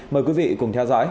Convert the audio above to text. mời quý vị cùng theo dõi